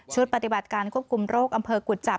ปฏิบัติการควบคุมโรคอำเภอกุจจับ